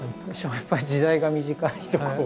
やっぱり時代が短いとこう。